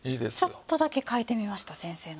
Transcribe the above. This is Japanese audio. ちょっとだけ変えてみました先生のと。